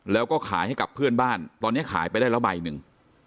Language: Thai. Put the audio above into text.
แล้วก็ขายให้กับเพื่อนบ้านตอนนี้ขายไปได้แล้วใบหนึ่ง